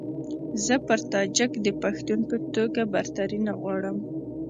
زه پر تاجک د پښتون په توګه برتري نه غواړم.